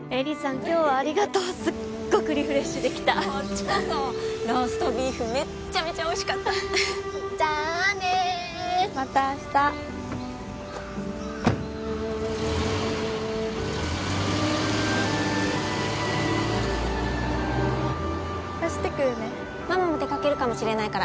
今日はありがとうすっごくリフレッシュできたこっちこそローストビーフめっちゃめちゃおいしかったじゃあねまた明日走ってくるねママも出かけるかもしれないから